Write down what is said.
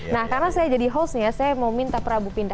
nah karena saya jadi hostnya saya mau mint